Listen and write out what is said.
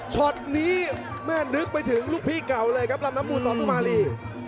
ช็อตนี้แม่นึกไปถึงลูกพี่เก่าเลยครับลำน้ำมูลสอสุมารี